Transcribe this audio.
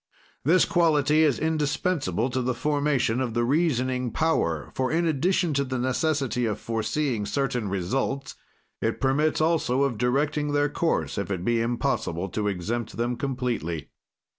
"This quality is indispensable to the formation of the reasoning power; for, in addition to the necessity of foreseeing certain results, it permits also of directing their course, if it be impossible to exempt them completely.